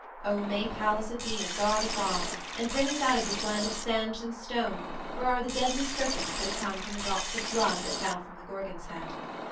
O may Pallas Athene guard us all, and bring us out of this land of sands and stone where are the deadly serpents that have come from the drops of blood that fell from the Gorgon's head!